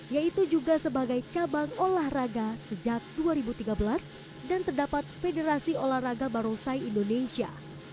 yaitu juga sebagai cabang olahraga sejak dua ribu tiga belas dan terdapat federasi olahraga barongsai indonesia